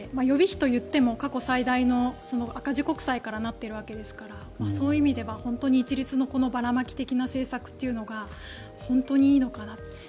予備費といっても過去最大の赤字国債からなってるわけですからそういう意味では一律のばらまき的な政策というのが本当にいいのかなと。